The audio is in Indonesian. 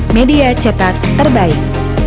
media cetak terbaik